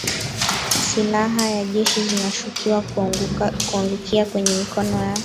Silaha za jeshi zinashukiwa kuangukia kwenye mikono ya